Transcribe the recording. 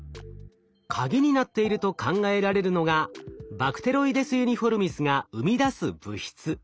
カギになっていると考えられるのがバクテロイデス・ユニフォルミスが生み出す物質。